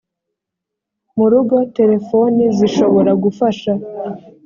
mu rugo terefoni zishobora gufasha